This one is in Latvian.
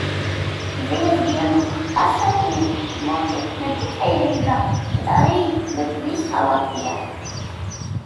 Dzejas dienu pasākumi notiek ne tikai Rīgā, bet visā Latvijā.